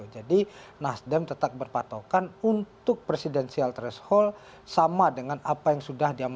jadi nasdem tetap berpatokan untuk presidensial threshold sama dengan apa yang sudah diamanakan